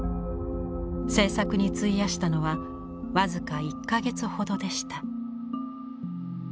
制作に費やしたのは僅か１か月ほどでした。